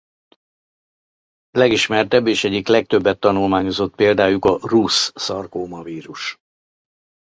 Legismertebb és egyik legtöbbet tanulmányozott példájuk a Rous-szarkómavírus.